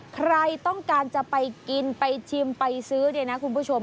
ใครต้องการจะไปกินไปชิมไปซื้อเนี่ยนะคุณผู้ชม